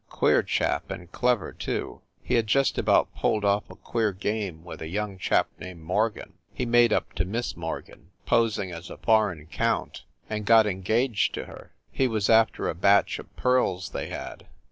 Queer chap, and clever, too. He had just about pulled off a queer game with a young chap named Morgan. He made up to Miss Mor gan, posing as a foreign count, and got engaged to her. He was after a batch of pearls they had.